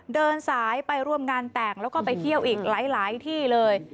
เดินสายไปร่วมงานแต่งแล้วก็ไปเที่ยวอีกหลายที่เลย